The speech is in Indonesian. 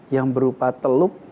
yang berupa teluk